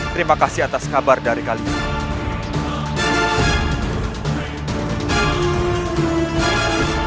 terima kasih atas kabar dari kali ini